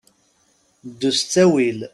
Ddu s ttawil.